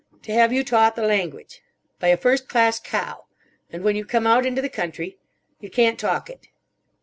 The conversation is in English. To have you taught the language. By a first class cow. And when you come out into the country. You can't talk it.